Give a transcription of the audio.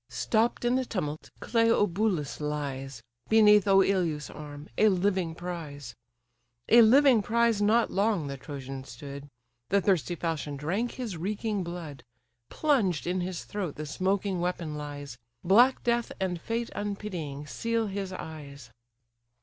Stopp'd in the tumult Cleobulus lies, Beneath Oïleus' arm, a living prize; A living prize not long the Trojan stood; The thirsty falchion drank his reeking blood: Plunged in his throat the smoking weapon lies; Black death, and fate unpitying, seal his eyes.